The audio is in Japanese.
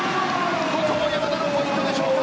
ここも山田のポイントでしょうか。